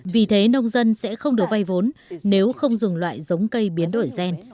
vì thế nông dân sẽ không được vay vốn nếu không dùng loại giống cây biến đổi gen